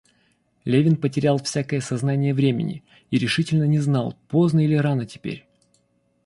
Левин потерял всякое сознание времени и решительно не знал, поздно или рано теперь.